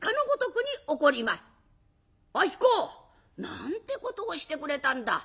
「子何てことをしてくれたんだ。